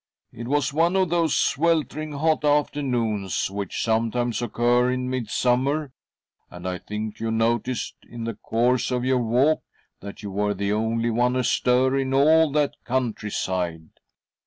It was one of those sweltering hot after noons which sometimes occur in midsummer, and I think you noticed, in the course of your walk, that you were the only one astir in all that country side.